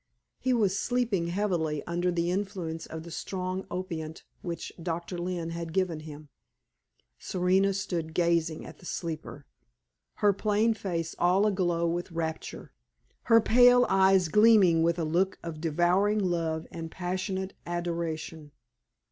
He was sleeping heavily under the influence of the strong opiate which Doctor Lynne had given him. Serena stood gazing at the sleeper, her plain face all aglow with rapture, her pale eyes gleaming with a look of devouring love and passionate adoration.